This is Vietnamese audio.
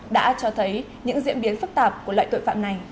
đã cho thấy những diễn biến phức tạp của loại tội phạm này